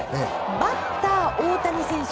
バッター大谷選手